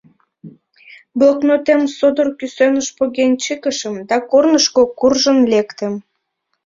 Блокнотем содор кӱсеныш поген чыкышым да корнышко куржын лектым.